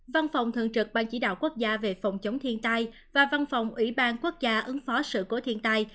văn phòng thường trực ban chỉ đạo quốc gia về phòng chống thiên tai và văn phòng ủy ban quốc gia ứng phó sự cố thiên tai